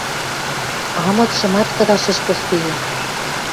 Амытшымат кыдаш ӹш поспейӹ.